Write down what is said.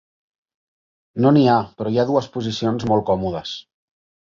No n'hi ha, però hi ha dues posicions molt còmodes.